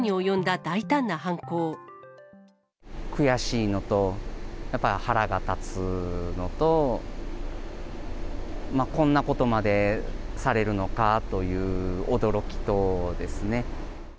悔しいのと、やっぱ腹が立つのと、こんなことまでされるのかという驚きとですね。